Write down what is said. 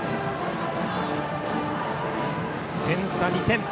点差は２点。